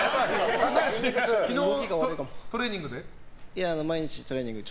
昨日のトレーニングで？